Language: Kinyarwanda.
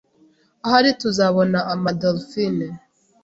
Ahari tuzabona ama dolphine.